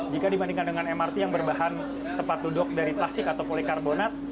jika dibandingkan dengan mrt yang berbahan tempat duduk dari plastik atau polikarbonat